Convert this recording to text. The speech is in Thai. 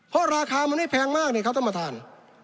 เพราะราคามันไม่แพงมากเลยครับท่านประธาน